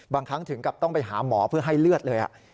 ครั้งถึงกับต้องไปหาหมอเพื่อให้เลือดเลย